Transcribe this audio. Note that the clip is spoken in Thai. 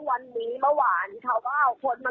วันนี้เขาสูญปริศนีรตัวมาผมยอม